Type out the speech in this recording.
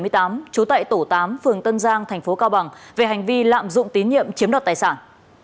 trú tại tổ tám phường tân giang thành phố cao bằng về hành vi lạm dụng tín nhiệm chiếm đoạt tài sản